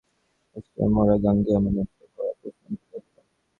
একটা বসন্তে তিনটে বিদেশী যুবক আসিয়া মরা গাঙে এমনি একটা ভরা তুফান তুলিয়া দিল।